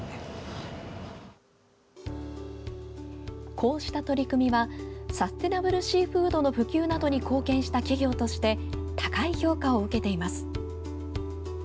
こうした取り組みはサステナブルシーフードの普及などに貢献した企業として高い評価を受けています。